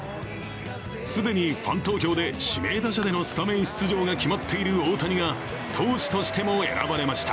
既にファン投票で指名打者でのスタメン出場が決まっている大谷が投手としても選ばれました。